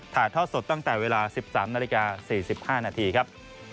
ถ่ายทอดสดตั้งแต่เวลา๑๓นาฬิกา๔๕นาทีครับ